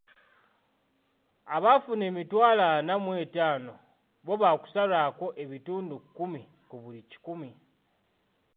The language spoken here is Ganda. Abafuna emitwalo ana mw'etaano bbo baakusalwako ebitundu kumi ku buli kikumi.